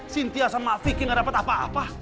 sintia sama afiki gak dapat apa apa